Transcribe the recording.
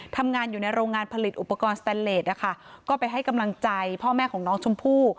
ทำงานอยู่ในโรงงานผลิตอุปกรณ์สแตนเลสนะคะก็ไปให้กำลังใจพ่อแม่ของน้องชมพู่